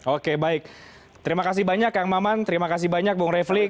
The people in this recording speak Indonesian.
oke baik terima kasih banyak kang maman terima kasih banyak bung refli